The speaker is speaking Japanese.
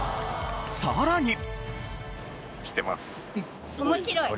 さらに。